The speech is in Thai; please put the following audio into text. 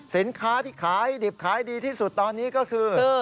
สินค้าที่ขายดิบขายดีที่สุดตอนนี้ก็คือ